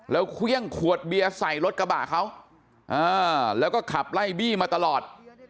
แล้วเครื่องขวดเบียร์ใส่รถกระบะเขาแล้วก็ขับไล่บี้มาตลอด